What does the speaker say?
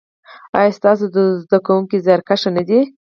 ایا ستاسو زده کونکي زیارکښ نه دي؟